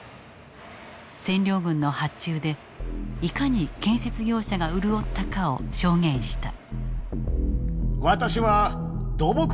占領軍の発注でいかに建設業者が潤ったかを証言した。